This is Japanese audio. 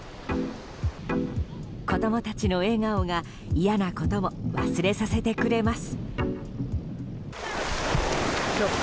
子供たちの笑顔が嫌なことも忘れさせてくれます。